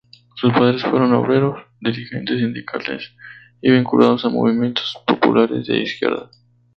Sus padres fueron obreros, dirigentes sindicales y vinculados a movimientos populares de izquierda.